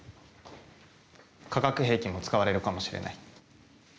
化学兵器も使われるかもしれない。